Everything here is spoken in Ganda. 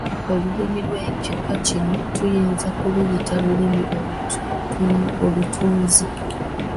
Olulimi olw'ekika kino tuyinza okuluyita olulimi olutunzi.